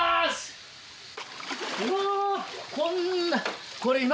うわこんな。